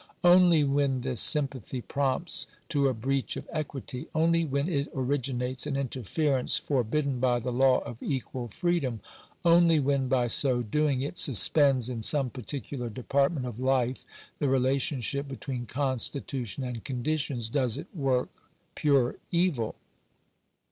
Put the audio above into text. Only when this sympathy prompts to a breach of equity — only when it originates an interference forbidden by the law of equal freedom — only when, by so doing, it suspends in some particular depart ment of life the relationship between constitution and conditions, does it work pure evil.